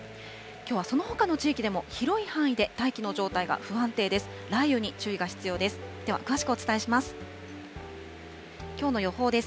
きょうはそのほかの地域でも広い範囲で大気の状態が不安定です。